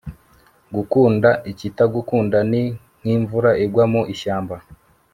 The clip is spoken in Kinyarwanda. gukunda ikitagukunda ni nk'imvura igwa mu ishyamba